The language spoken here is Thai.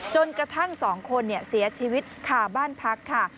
จนกระทั่ง๒คนเสียชีวิตคาบ้านพักค่ะ